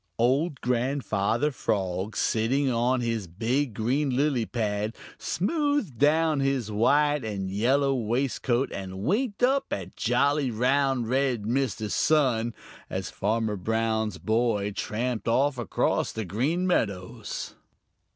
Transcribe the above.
Old Grandfather Frog, sitting on his big green lily pad, smoothed down his white and yellow waistcoat and winked up at jolly, round, red Mr. Sun as Farmer Brown's boy tramped off across the Green Meadows.